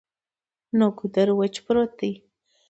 نو ګودر وچ پروت وو ـ